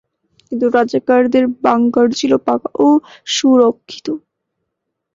কিন্তু রাজাকারদের বাংকার ছিল পাকা ও সুরক্ষিত।